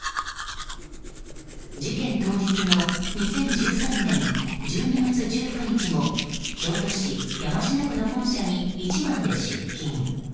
事件当日の２０１３年１２月１９日も京都市山科区の本社に一番で出勤。